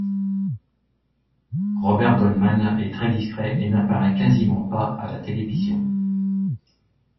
Robert Goldman est très discret et n'apparaît quasiment pas à la télévision.